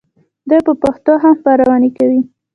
دوی په پښتو هم خپرونې کوي.